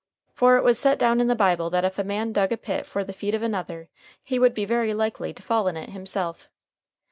For it was set down in the Bible that if a man dug a pit for the feet of another he would be very likely to fall in it himself.